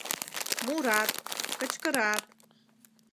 Мурат, кычкырат.